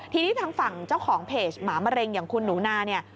ทีนี้ทางฝั่งเจ้าของเพจหมามะเร็งอย่างคุณหนูนาเนี่ย